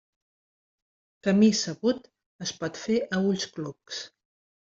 Camí sabut es pot fer a ulls clucs.